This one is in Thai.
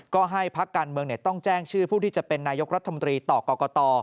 ก็ให้พักการเมืองต้องแจ้งชื่อผู้ที่จะเป็นนายกรัฐมนตรีต่อกรกต